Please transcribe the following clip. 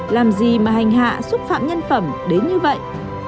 làm gì mà hành hạ xúc phạm nhân phẩm đến như vậy